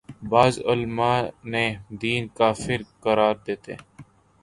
بعض علماے دین کافر قرار دیتے